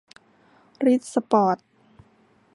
ริช สปอร์ต